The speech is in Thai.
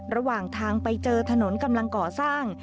ระหว่างทางไปเจอถนนกำลังก่อสร้าง